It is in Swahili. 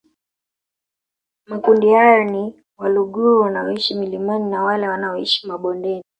Makundi hayo ni Waluguru wanaoishi milimani na wale wanaoishi mabondeni